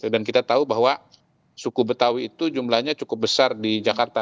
dan kita tahu bahwa suku betawi itu jumlahnya cukup besar di jakarta